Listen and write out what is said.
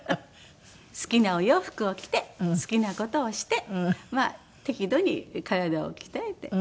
好きなお洋服を着て好きな事をしてまあ適度に体を鍛えて。